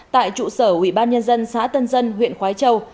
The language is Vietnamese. tại trụ sở ủy ban nhân dân xã tân dân huyện khói châu